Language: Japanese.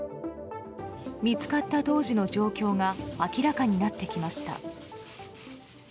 見つかった当時の状況が明らかになってきました。